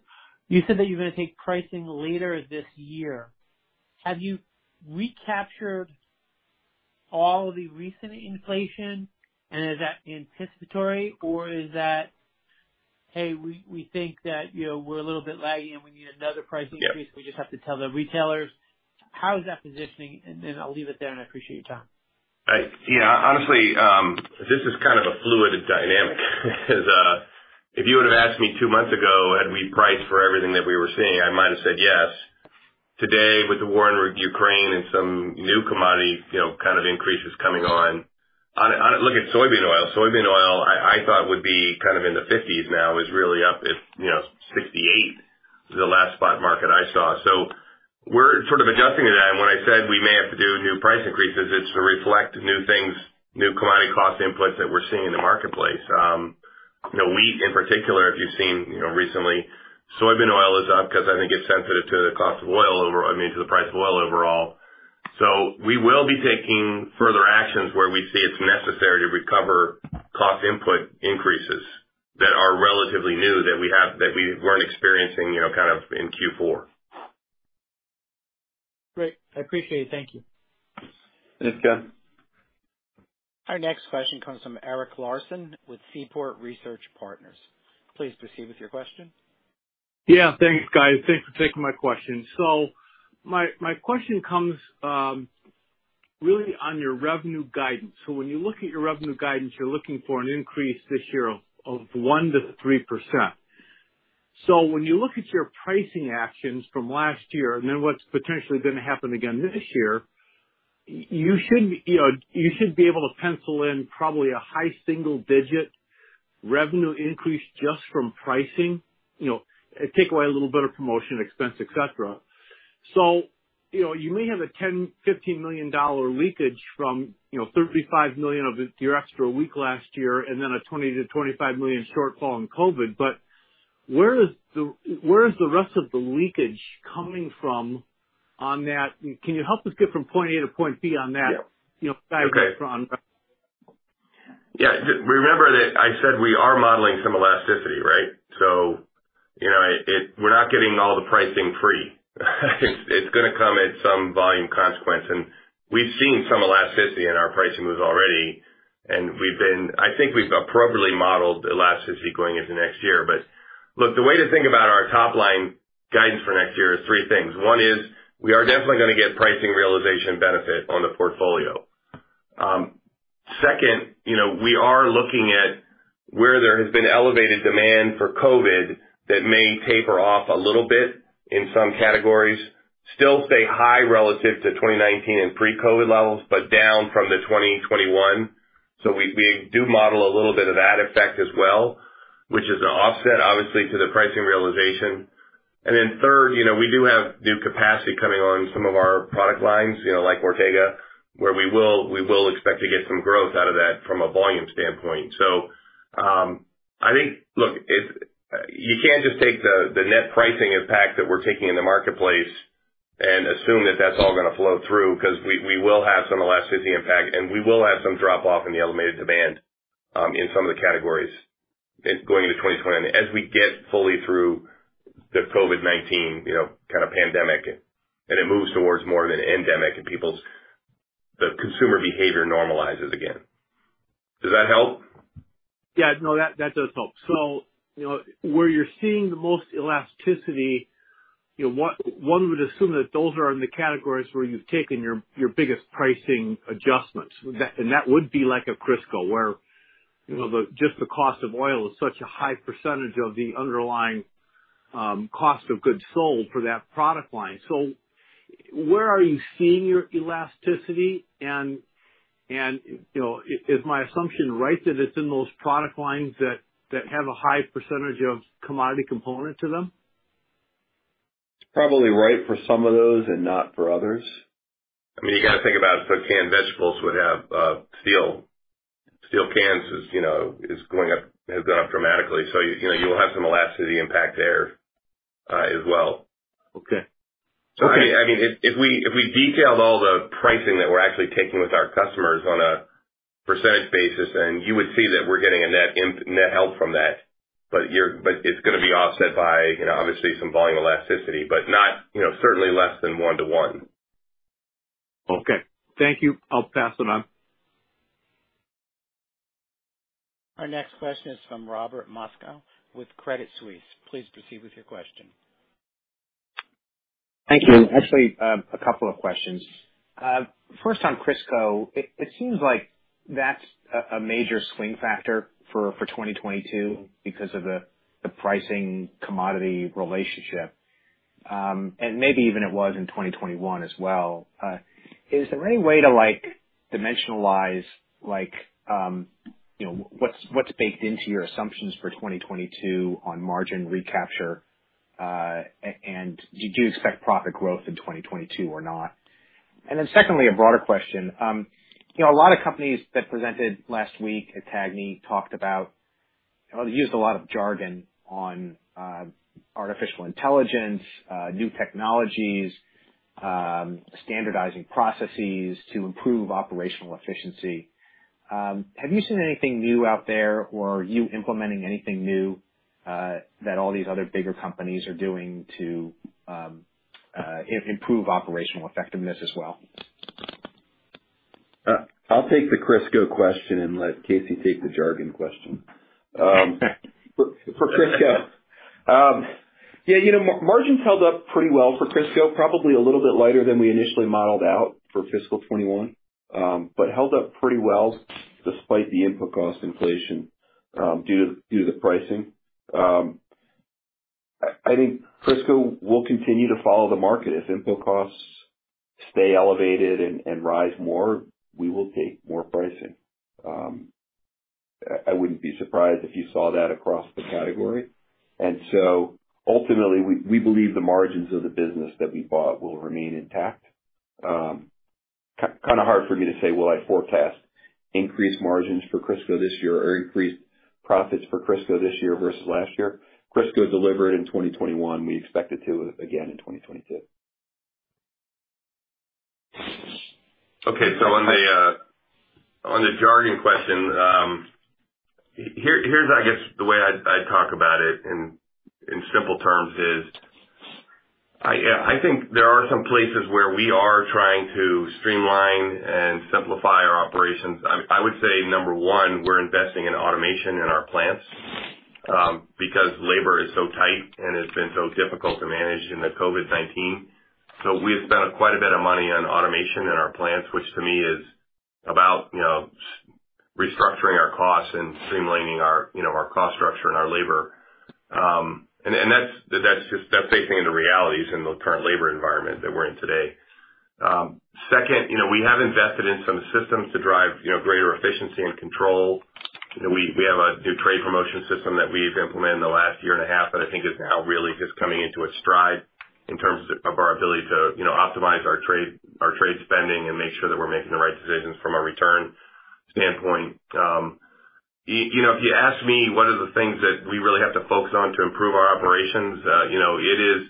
you said that you're gonna take pricing later this year. Have you recaptured all the recent inflation? Is that anticipatory or is that, "Hey, we think that, you know, we're a little bit laggy and we need another price increase"? Yeah. We just have to tell the retailers." How is that positioning? I'll leave it there, and I appreciate your time. You know, honestly, this is kind of a fluid dynamic because if you would've asked me 2 months ago, had we priced for everything that we were seeing, I might have said yes. Today, with the war in Ukraine and some new commodity, you know, kind of increases coming on. On a look at soybean oil, I thought would be kind of in the 50s now is really up at, you know, 68, the last spot market I saw. So we're sort of adjusting to that. When I said we may have to do new price increases, it's to reflect new things, new commodity cost inputs that we're seeing in the marketplace. You know, wheat in particular, if you've seen, you know, recently, soybean oil is up 'cause I think it's sensitive to the cost of oil, I mean, to the price of oil overall. We will be taking further actions where we see it's necessary to recover cost input increases that are relatively new that we weren't experiencing, you know, kind of in Q4. Great. I appreciate it. Thank you. Thanks, John. Our next question comes from Eric Larson with Seaport Research Partners. Please proceed with your question. Yeah. Thanks, guys. Thanks for taking my question. My question comes really on your revenue guidance. When you look at your revenue guidance, you're looking for an increase this year of 1%-3%. When you look at your pricing actions from last year and then what's potentially gonna happen again this year. You should, you know, be able to pencil in probably a high single digit revenue increase just from pricing, you know, take away a little bit of promotion expense, et cetera. You know, you may have a $10 million-$15 million leakage from, you know, $35 million from your extra week last year and then a $20 million-$25 million shortfall in COVID. Where is the rest of the leakage coming from on that? Can you help us get from point A to point B on that? Yeah. You know, guidance from Yeah. Remember that I said we are modeling some elasticity, right? You know, we're not getting all the pricing free. It's gonna come at some volume consequence. We've seen some elasticity in our pricing moves already, I think we've appropriately modeled elasticity going into next year. Look, the way to think about our top line guidance for next year is three things. One is we are definitely gonna get pricing realization benefit on the portfolio. Second, you know, we are looking at where there has been elevated demand from COVID that may taper off a little bit in some categories. Still stay high relative to 2019 and pre-COVID levels, but down from 2021. We do model a little bit of that effect as well, which is an offset, obviously, to the pricing realization. Third, you know, we do have new capacity coming on some of our product lines, you know, like Ortega, where we will expect to get some growth out of that from a volume standpoint. I think, look, if you can't just take the net pricing impact that we're taking in the marketplace and assume that that's all gonna flow through 'cause we will have some elasticity impact, and we will have some drop off in the elevated demand in some of the categories going into 2020. As we get fully through the COVID-19, you know, kind of pandemic, and it moves towards more of an endemic and the consumer behavior normalizes again. Does that help? Yeah. No, that does help. You know, where you're seeing the most elasticity, you know, one would assume that those are in the categories where you've taken your biggest pricing adjustments. Yeah. That would be like a Crisco where, you know, just the cost of oil is such a high percentage of the underlying cost of goods sold for that product line. Where are you seeing your elasticity? You know, is my assumption right that it's in those product lines that have a high percentage of commodity component to them? It's probably right for some of those and not for others. I mean, you gotta think about so canned vegetables would have steel. Steel cans is, you know, is going up, has gone up dramatically. You know, you will have some elasticity impact there, as well. Okay. Okay. I mean, if we detailed all the pricing that we're actually taking with our customers on a percentage basis, and you would see that we're getting a net help from that. But it's gonna be offset by, you know, obviously some volume elasticity, but not, you know, certainly less than one to one. Okay. Thank you. I'll pass it on. Our next question is from Robert Moskow with Credit Suisse. Please proceed with your question. Thank you. Actually, a couple of questions. First on Crisco. It seems like that's a major swing factor for 2022 because of the pricing commodity relationship. And maybe even it was in 2021 as well. Is there any way to like dimensionalize like, you know, what's baked into your assumptions for 2022 on margin recapture? And do you expect profit growth in 2022 or not? Secondly, a broader question. You know, a lot of companies that presented last week at CAGNY talked about or used a lot of jargon on artificial intelligence, new technologies, standardizing processes to improve operational efficiency. Have you seen anything new out there or are you implementing anything new that all these other bigger companies are doing to improve operational effectiveness as well? I'll take the Crisco question and let Casey take the jargon question. For Crisco, yeah, you know, margins held up pretty well for Crisco, probably a little bit lighter than we initially modeled out for fiscal 2021, but held up pretty well despite the input cost inflation, due to the pricing. I think Crisco will continue to follow the market. If input costs stay elevated and rise more, we will take more pricing. I wouldn't be surprised if you saw that across the category. Ultimately we believe the margins of the business that we bought will remain intact. Kinda hard for me to say, will I forecast increased margins for Crisco this year or increased profits for Crisco this year versus last year. Crisco delivered in 2021. We expect it to again in 2022. Okay. On the jargon question, here's, I guess, the way I'd talk about it in simple terms is I think there are some places where we are trying to streamline and simplify our operations. I would say, number one, we're investing in automation in our plants, because labor is so tight and has been so difficult to manage in the COVID-19. We have spent quite a bit of money on automation in our plants, which to me is about, you know, restructuring our costs and streamlining our, you know, our cost structure and our labor. And that's just facing into realities in the current labor environment that we're in today. Second, you know, we have invested in some systems to drive, you know, greater efficiency and control. You know, we have a new trade promotion system that we've implemented in the last year and a half that I think is now really just coming into its stride in terms of our ability to, you know, optimize our trade spending and make sure that we're making the right decisions from a return standpoint. You know, if you ask me what are the things that we really have to focus on to improve our operations, you know, it is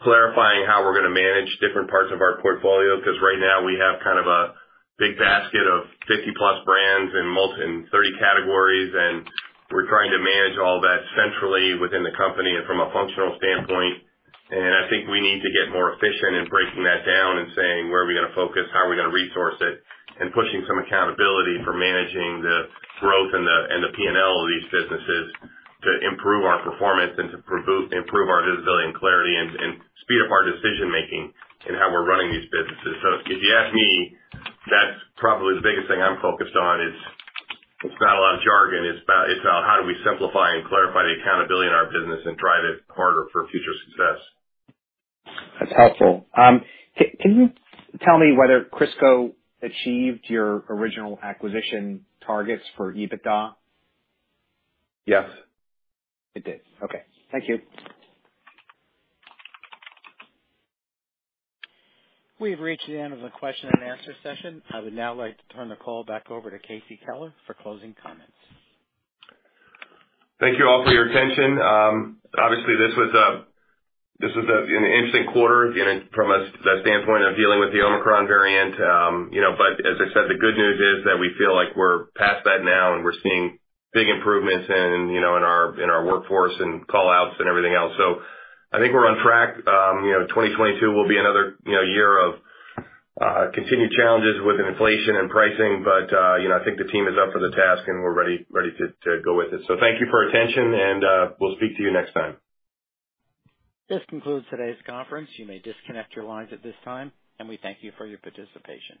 clarifying how we're gonna manage different parts of our portfolio, because right now we have kind of a big basket of 50-plus brands in 30 categories, and we're trying to manage all that centrally within the company and from a functional standpoint. I think we need to get more efficient in breaking that down and saying, where are we gonna focus? How are we gonna resource it? Pushing some accountability for managing the growth and the P&L of these businesses to improve our performance and to improve our visibility and clarity and speed up our decision-making in how we're running these businesses. If you ask me, that's probably the biggest thing I'm focused on is it's not a lot of jargon. It's about, it's about how do we simplify and clarify the accountability in our business and drive it harder for future success. That's helpful. Can you tell me whether Crisco achieved your original acquisition targets for EBITDA? Yes. It did. Okay. Thank you. We have reached the end of the question and answer session. I would now like to turn the call back over to Casey Keller for closing comments. Thank you all for your attention. Obviously this was an interesting quarter, you know, from a standpoint of dealing with the Omicron variant. You know, but as I said, the good news is that we feel like we're past that now and we're seeing big improvements in, you know, in our workforce and call-outs and everything else. I think we're on track. You know, 2022 will be another, you know, year of continued challenges with inflation and pricing. You know, I think the team is up for the task and we're ready to go with it. Thank you for your attention and we'll speak to you next time. This concludes today's conference. You may disconnect your lines at this time, and we thank you for your participation.